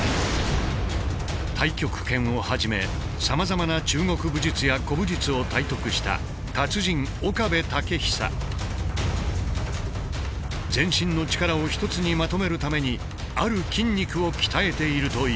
太極拳をはじめさまざまな中国武術や古武術を体得した達人全身の力をひとつにまとめるために「ある筋肉」を鍛えているという。